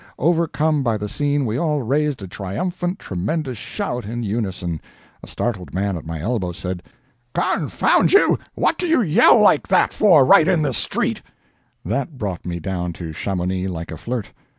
Overcome by the scene, we all raised a triumphant, tremendous shout, in unison. A startled man at my elbow said: "Confound you, what do you yell like that for, right here in the street?" That brought me down to Chamonix, like a flirt.